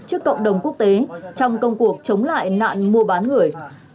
trước cộng đồng quốc tế trong công cuộc chống lại nạn mua bán người